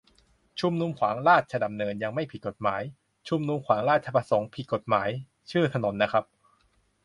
ชุมนุมขวางราชดำเนิน ยังไม่ผิดกฎหมาย ชุมนุมขวางราชประสงค์ ผิดกฎหมาย ชื่อถนนนะครับ